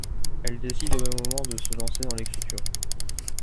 Elle décide au même moment de se lancer dans l’écriture.